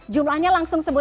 jumlahnya langsung sebut